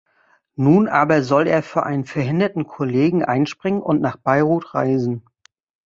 Nun aber soll er für einen verhinderten Kollegen einspringen und nach Beirut reisen.